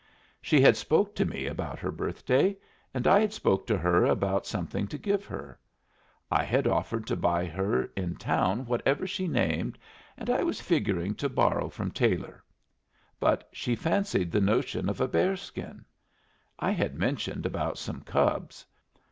"She had spoke to me about her birthday, and I had spoke to her about something to give her. I had offered to buy her in town whatever she named, and I was figuring to borrow from Taylor. But she fancied the notion of a bear skin. I had mentioned about some cubs.